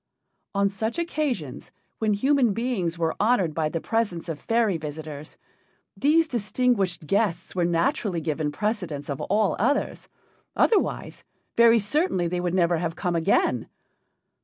On such occasions, when human beings were honored by the presence of fairy visitors, these distinguished guests were naturally given precedence of all others, otherwise very certainly they would never have come again.